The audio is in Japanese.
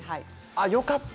よかった。